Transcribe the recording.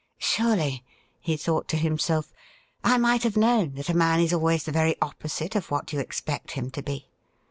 ' Surely,' he thought to himself, ' I might have known that a man is always the very opposite of what you expect him to be.